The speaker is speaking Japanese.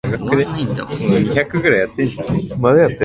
オレンジと白のチェック模様のハンカチ